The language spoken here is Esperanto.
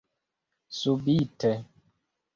subite